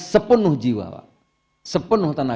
sepenuh jiwa sepenuh tenaga